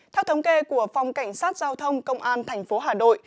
theo thống kê của phòng cảnh sát giao thông công an thành phố hà nội